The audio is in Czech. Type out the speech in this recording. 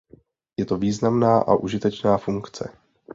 Je to významná a užitečná funkce.